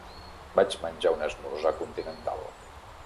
Vaig menjar un esmorzar continental.